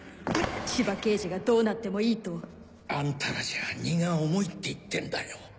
千葉刑事がどうなってもいいと？あんたらじゃ荷が重いって言ってんだよ。